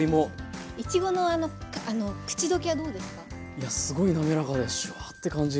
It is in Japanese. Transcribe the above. いやすごいなめらかでシュワッて感じ。